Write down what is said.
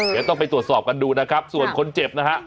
เดี๋ยวต้องไปตรวจสอบกันดูนะครับส่วนคนเจ็บนะฮะ